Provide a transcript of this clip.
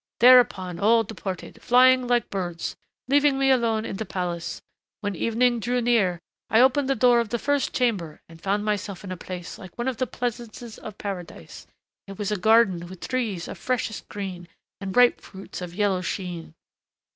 "Thereupon all departed, flying like birds, leaving me alone in the palace. When evening drew near, I opened the door of the first chamber and found myself in a place like one of the pleasances of Paradise. It was a garden with trees of freshest green and ripe fruits of yellow sheen.